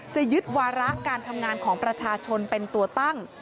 จะยึดวาระการทำงานของประชาชนเป็นตัวตั้ง